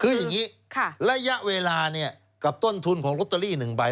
คืออย่างนี้ระยะเวลากับต้นทุนของลอตเตอรี่๑ใบ